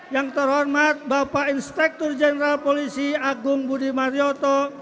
yang terhormat bapak inspektur jenderal polisi agung budi marioto